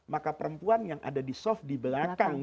maka perempuan yang ada di soft di belakang